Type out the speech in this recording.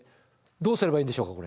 どうすればいいんでしょうか？